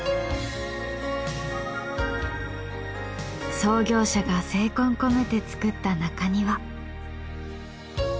創業者が精魂込めて造った中庭。